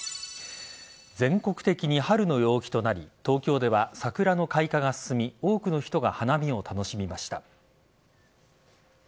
全国的に春の陽気となり東京では桜の開花が進み多くの人が花見を楽しみました。